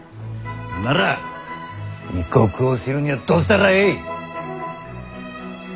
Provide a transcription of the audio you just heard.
なら異国を知るにはどうしたらえい？